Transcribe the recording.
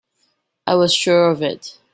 I was sure of it.